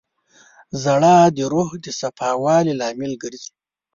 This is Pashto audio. • ژړا د روح د صفا والي لامل ګرځي.